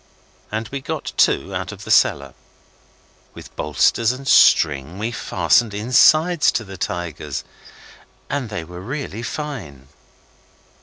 And we got two out of the cellar. With bolsters and string we fastened insides to the tigers and they were really fine.